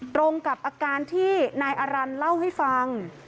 ตรงกับอาการที่นายอรันทร์เล่าให้ฟัง